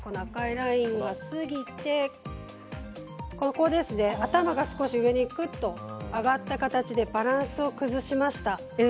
赤いラインを過ぎてここですね、頭が少し上にぐっと上がった形でバランスを崩しました。